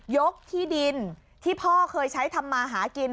กที่ดินที่พ่อเคยใช้ทำมาหากิน